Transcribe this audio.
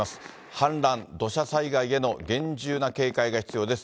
氾濫、土砂災害への厳重な警戒が必要です。